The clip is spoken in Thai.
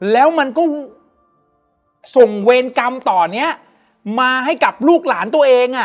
แล้วมันก็ส่งเวรกรรมต่อนี้มาให้กับลูกหลานตัวเอง